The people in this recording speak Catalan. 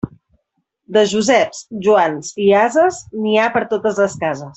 De Joseps, Joans i ases, n'hi ha per totes les cases.